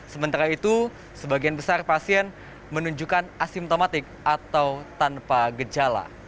sementara itu sebagian besar pasien menunjukkan asimptomatik atau tanpa gejala